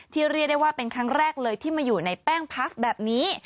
เรียกได้ว่าเป็นครั้งแรกเลยที่มาอยู่ในแป้งพักแบบนี้